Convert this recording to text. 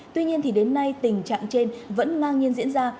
tuy nhiên thì đến nay tình trạng trên vẫn ngang nhiên diễn ra